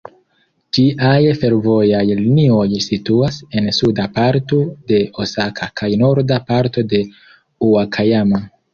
Ĝiaj fervojaj linioj situas en suda parto de Osaka kaj norda parto de Ŭakajama.